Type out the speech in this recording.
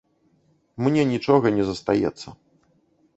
Мне нічога не застаецца.